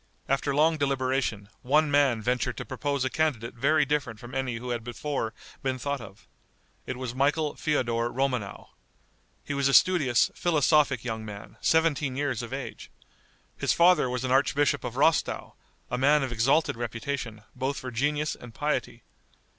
After long deliberation, one man ventured to propose a candidate very different from any who had before been thought of. It was Michael Feodor Romanow. He was a studious, philosophic young man, seventeen years of age. His father was archbishop of Rostow, a man of exalted reputation, both for genius and piety.